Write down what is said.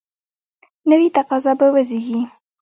نوي تقاضا به وزیږي.